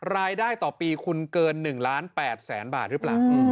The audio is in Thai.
รายได้ต่อปีคุณเกิน๑ล้าน๘แสนบาทหรือเปล่า